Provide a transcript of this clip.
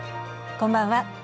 こんばんは。